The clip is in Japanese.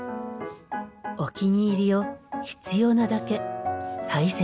お気に入りを必要なだけ大切に。